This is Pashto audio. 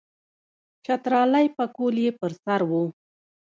چترالی پکول یې پر سر وو.